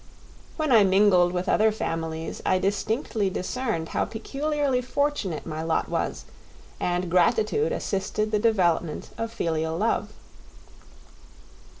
When I mingled with other families I distinctly discerned how peculiarly fortunate my lot was, and gratitude assisted the development of filial love.